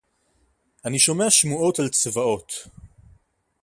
אֲנִי שׁוֹמֵעַ שְׁמוּעוֹת עַל צְבָאוֹת